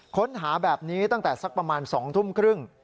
ค้นหาแบบนี้ตั้งแต่สักประมาณ๒ทุ่มครึ่ง